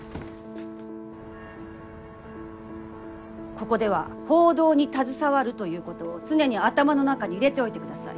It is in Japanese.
ここでは報道に携わるということを常に頭の中に入れておいてください。